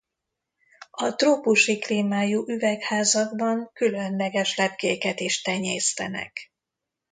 A trópusi klímájú üvegházakban különleges lepkéket is tenyésztenek.